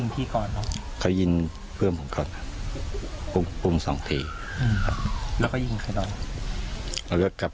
ตรงข้างซ้ายครับ